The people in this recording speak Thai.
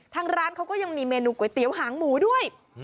ทางร้านเขาก็ยังมีเมนูก๋วยเตี๋ยวหางหมูด้วย